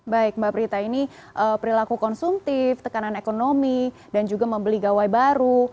baik mbak prita ini perilaku konsumtif tekanan ekonomi dan juga membeli gawai baru